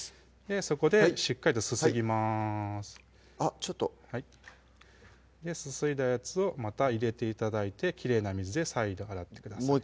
そこでしっかりとすすぎますあっちょっとすすいだやつをまた入れて頂いてきれいな水で再度洗ってください